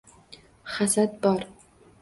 Hasad bor.